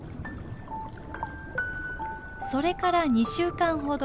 それから２週間ほど。